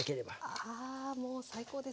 あもう最高ですね